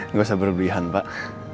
nggak usah berbelian pak